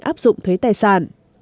áp dụng thuế tài sản